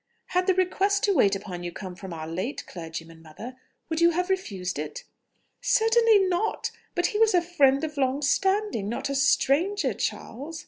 "Had the request to wait upon you come from our late clergyman, mother, would you have refused it?" "Certainly not: but he was a friend of long standing, not a stranger, Charles."